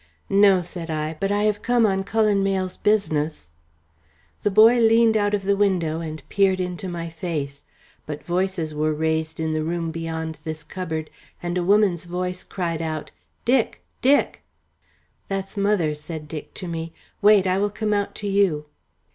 "No," said I; "but I have come on Cullen Mayle's business." The boy leaned out of the window and peered into my face. But voices were raised in the room beyond this cupboard, and a woman's voice cried out, "Dick, Dick!" "That's mother," said Dick to me. "Wait! I will come out to you."